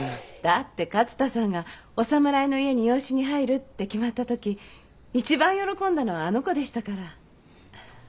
だって勝太さんがお侍の家に養子に入るって決まった時一番喜んだのはあの子でしたから。